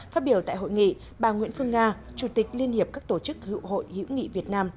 phát biểu tại hội nghị bà nguyễn phương nga chủ tịch liên hiệp các tổ chức hữu hội hữu nghị việt nam